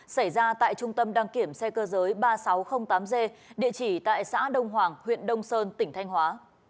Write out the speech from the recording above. xảy ra tại trung tâm đăng kiểm xe cơ giới ba nghìn sáu trăm linh tám g địa chỉ tại xã đông hoàng huyện đông sơn tỉnh thanh hóa